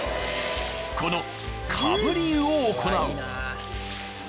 このかぶり湯を行う。